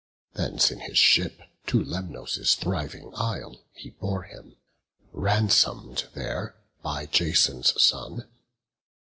Thence in his ship to Lemnos' thriving isle He bore him, ransom'd there by Jason's son.